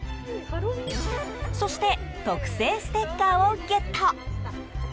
そして特製ステッカーをゲット。